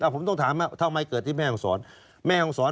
ผมต้องถามทำไมเกิดที่แม่ห้องศร